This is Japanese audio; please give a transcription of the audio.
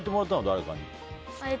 誰かに。